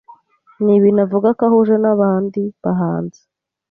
Ni ibintu avuga ko ahuje n’abandi bahanzi,